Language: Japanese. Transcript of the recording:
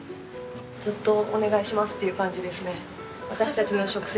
ずっとお願いしますっていう感じですね。